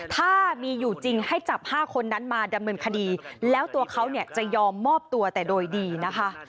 ถ้ามีอยู่จริงให้จับ๕คนนั้นมาดำเนินคดีแล้วตัวเขาจะยอมมอบตัวแต่โดยดีนะคะ